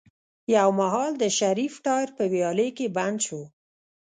يو مهال د شريف ټاير په ويالې کې بند شو.